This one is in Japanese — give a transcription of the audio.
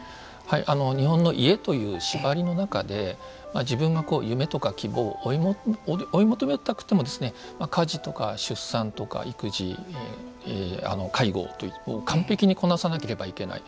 日本の家という縛りの中で自分が夢とか希望を追い求めたくても、家事とか出産とか育児、介護を完璧にこなさなければいけない。